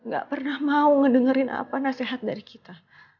gak pernah mau ngedengerin apa nasihat dari kita